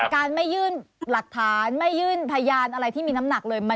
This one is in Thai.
การไม่ยื่นหลักฐานไม่ยื่นพยานอะไรที่มีน้ำหนักเลย